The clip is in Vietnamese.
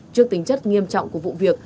trước tính chất nghiêm trọng của vụ việc